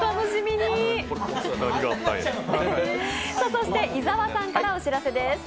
そして伊沢さんからお知らせです。